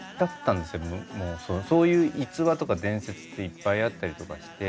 そういう逸話とか伝説っていっぱいあったりとかして。